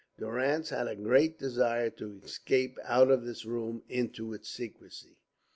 Durrance had a great desire to escape out of this room into its secrecy.